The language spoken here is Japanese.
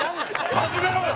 始めろよ！